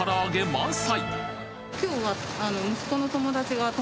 満載